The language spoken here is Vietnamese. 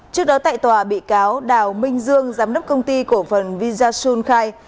trước đó tại tòa bị cáo đào minh dương giám đốc công ty cổ phần visa sul khai